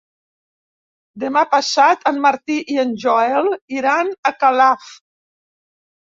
Demà passat en Martí i en Joel iran a Calaf.